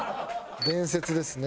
伝説ですね。